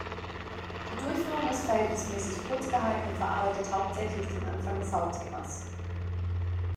Die Durchführung ist verhältnismäßig kurz gehalten und verarbeitet hauptsächlich den Anfang des Hauptthemas.